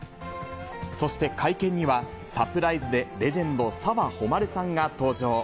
そして会見には、サプライズで、レジェンド、澤穂希さんが登場。